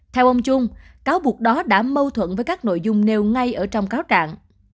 theo ông trung cáo buộc đó đã mâu thuẫn với các nội dung nêu ngay ở trong cáo trạng